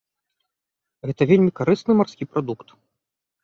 Гэта вельмі карысны марскі прадукт.